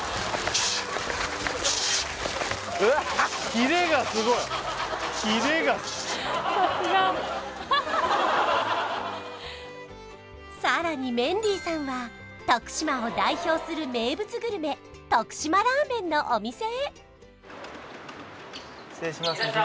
キレがさすがさらにメンディーさんは徳島を代表する名物グルメ徳島ラーメンのお店へ失礼します